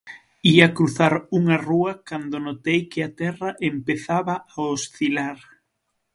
Ía cruzar unha rúa cando notei que a terra empezaba a oscilar.